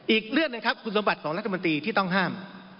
อีกเรื่องหนึ่งครับคุณสมบัติของรัฐมนตรีที่ต้องห้าม